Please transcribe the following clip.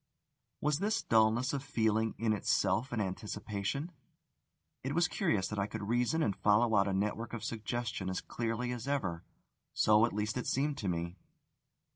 Was this dulness of feeling in itself an anticipation? It was curious that I could reason and follow out a network of suggestion as clearly as ever: so, at least, it seemed to me.